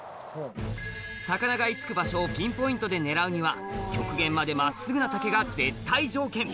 魚が居着く場所をピンポイントで狙うには極限まで真っすぐな竹が絶対条件